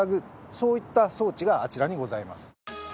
そういった装置があちらにございます。